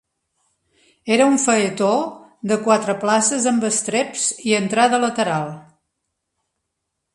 Era un faetó de quatre places amb estreps i entrada lateral.